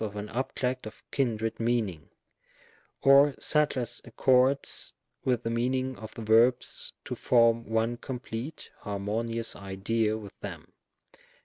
of an object of kindred meaning — or such as accords with the meaning of the verbs to form one complete harmonious idea with them.